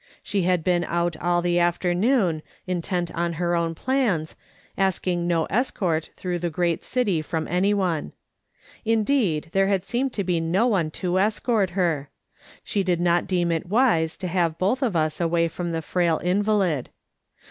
She had been out all the after noon, intent on her own plans, asking no escort through the great city from anyone. Indeed, there seemed to be no one to escort her. She did not deem it wise to have both of us away from the frail invalid.